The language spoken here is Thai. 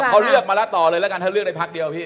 เขาเลือกมาแล้วต่อเลยแล้วกันถ้าเลือกได้พักเดียวพี่